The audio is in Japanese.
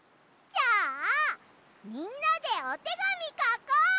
じゃあみんなでおてがみかこう！